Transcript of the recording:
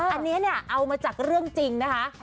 อันนี้เนี่ยเอามาจากเรื่องจริงนะคะ